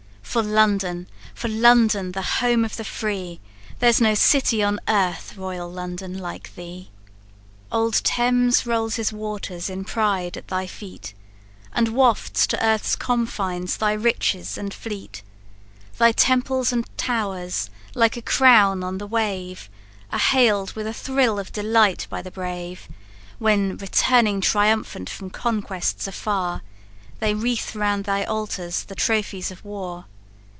For London! for London! the home of the free, There's no city on earth, royal London, like thee! "Old Thames rolls his waters in pride at thy feet, And wafts to earth's confines thy riches and fleet; Thy temples and towers, like a crown on the wave, Are hail'd with a thrill of delight by the brave, When, returning triumphant from conquests afar, They wreathe round thy altars the trophies of war.